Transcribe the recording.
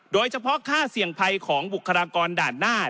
โดยเฉพาะค่าเสี่ยงภัยของบุคลากรด่านหน้า